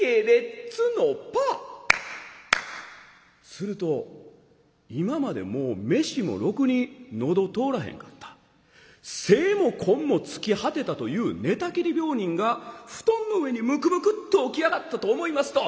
すると今までもう飯もろくに喉通らへんかった精も根も尽き果てたという寝たきり病人が布団の上にむくむくっと起き上がったと思いますと。